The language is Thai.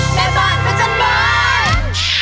แม่บ้านพระจันทร์บ้าน